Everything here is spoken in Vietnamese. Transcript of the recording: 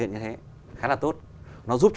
như thế khá là tốt nó giúp cho